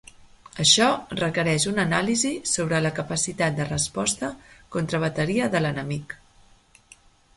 Això requereix una anàlisi sobre la capacitat de resposta contrabateria de l'enemic.